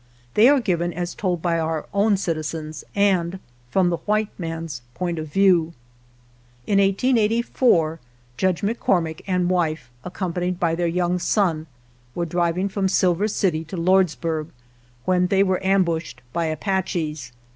They are given as told by our own citizens and from the white man's point of view. In 1884 Judge McCormick and wife, ac companied by their young son, were driving from Silver City to Lordsburg, when they were ambushed by Apaches.